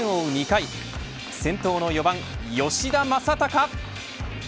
２回先頭の４番、吉田正尚。